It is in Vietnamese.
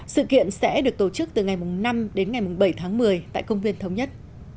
sự kiện sẽ được tổ chức từ ngày năm đến ngày bảy tháng một mươi tại công viên thống nhất